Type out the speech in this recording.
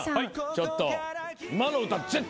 ちょっと。